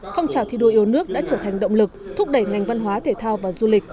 phong trào thi đua yêu nước đã trở thành động lực thúc đẩy ngành văn hóa thể thao và du lịch